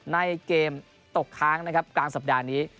ในเกมตกค้างนะครับกลางสัปดาห์นี้